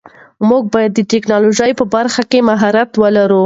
موږ باید د ټیکنالوژۍ په برخه کې مهارت ولرو.